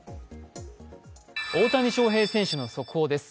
大谷翔平選手の速報です